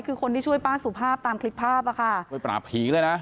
คือคนที่ช่วยป้าสุภาพตามคลิปภาพอ่ะค่ะไปปราบผีเลยนะ